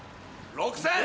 ６０００円！